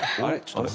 あれ？